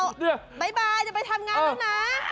อ้าวบ๊ายบายอย่าไปทำงานด้วยนะ